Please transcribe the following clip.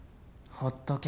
ほっとけ。